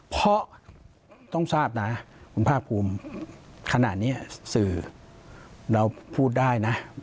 เพราะต้องทราบนะคุณภาคภูมิขณะนี้สื่อเราพูดได้นะ